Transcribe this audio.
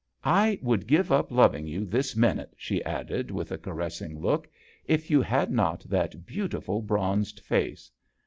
I would give up loving you this minute/' she added, with a .caressing look, " if you had not that beautiful bronzed face.